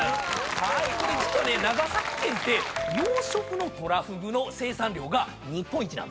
これ実はね長崎県って養殖のとらふぐの生産量が日本一なんです。